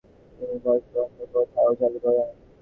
তিনি দসভন্দ প্রথাও চালু করেন।